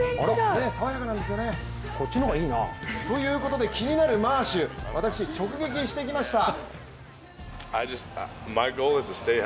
爽やかなんですよね。ということで気になるマーシュ、私直撃してきました。